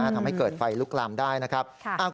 ทำให้เกิดไฟลุกลามได้นะครับ